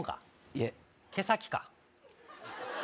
いえ毛先か？